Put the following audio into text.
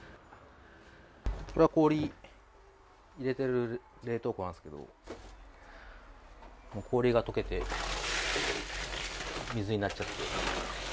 これは氷入れてる冷凍庫なんですけど、もう氷がとけて水になっちゃって。